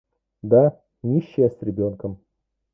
Да, нищая с ребенком.